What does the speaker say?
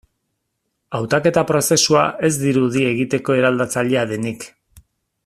Hautaketa prozesua ez dirudi egiteko eraldatzailea denik.